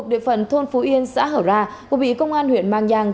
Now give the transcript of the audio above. của bị công an huyện mang giang